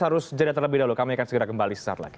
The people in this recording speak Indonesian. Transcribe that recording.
harus jeda terlebih dahulu kami akan segera kembali sesaat lagi